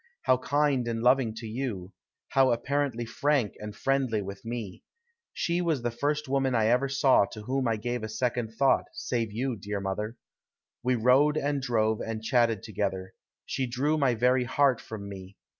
How kind and loving to you; how apparently frank and friendly with me. She was the first woman I ever saw to whom I gave a second thought, save you, dear mother. We rode and drove and chatted together. She drew my very heart from me.